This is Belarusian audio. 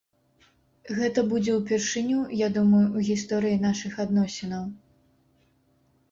Гэта будзе ўпершыню, я думаю, у гісторыі нашых адносінаў.